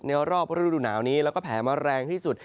รอบฤดูหนาวนี้แล้วก็แผลมาแรงที่สุด